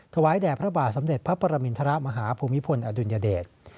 ถวายแด่พระบาทสมเด็จพระปรมินทรมาฮภูมิพลอดุลยเดช